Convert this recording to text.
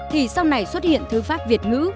thì sau này xuất hiện thư pháp việt ngữ